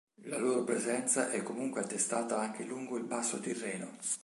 La loro presenza è comunque attestata anche lungo il basso Tirreno.